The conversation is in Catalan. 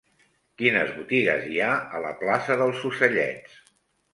Quines botigues hi ha a la plaça dels Ocellets?